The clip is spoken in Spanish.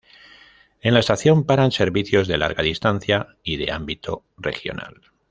En la estación paran servicios de larga distancia y de ámbito regional.